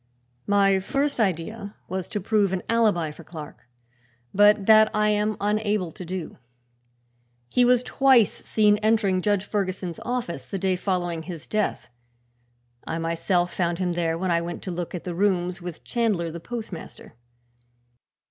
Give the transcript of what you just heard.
"My first idea was to prove an alibi for Clark, but that I am unable to do. He was twice seen entering Judge Ferguson's office, the day following his death. I myself found him there when I went to look at the rooms with Chandler the postmaster.